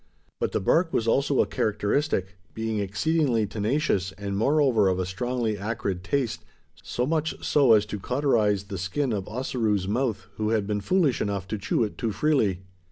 But the bark was also a characteristic: being exceedingly tenacious, and moreover of a strongly acrid taste so much so as to cauterise he skin of Ossaroo's mouth, who had been foolish enough to chew it too freely.